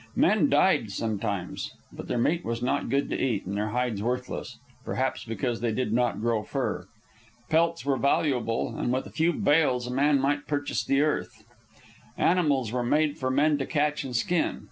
Men died, sometimes. But their meat was not good to eat, and their hides worthless, perhaps because they did not grow fur. Pelts were valuable, and with a few bales a man might purchase the earth. Animals were made for men to catch and skin.